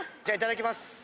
じゃあいただきます。